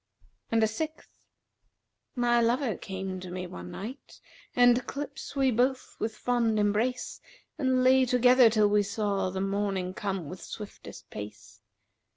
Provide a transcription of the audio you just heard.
And a sixth, My lover came to me one night, * And clips we both with fond embrace; And lay together till we saw * The morning come with swiftest pace.